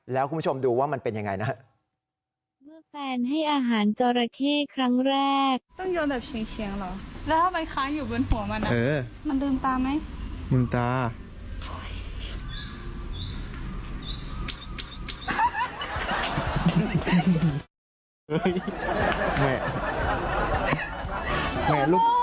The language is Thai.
แล้วคุณผู้ชมดูว่ามันเป็นยังไงนะครับ